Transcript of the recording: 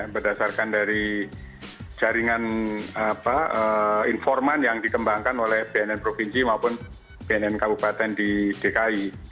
berdasarkan dari jaringan informan yang dikembangkan oleh bnn provinsi maupun bnn kabupaten di dki